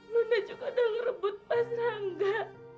luna juga udah ngerebut mas rangga